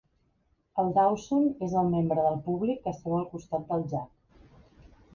El Dawson és el membre del públic que seu al costat del Jack.